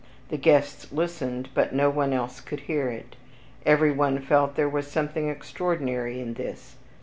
The guests listened, but no one else could hear it; everyone felt there was something extraordinary in this.